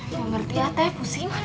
gak ngerti lah teh pusingan